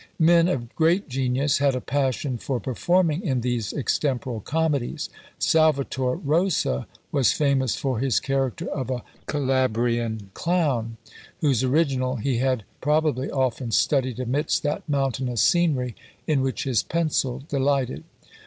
Men of great genius had a passion for performing in these extemporal comedies. Salvator Rosa was famous for his character of a Calabrian clown; whose original he had probably often studied amidst that mountainous scenery in which his pencil delighted.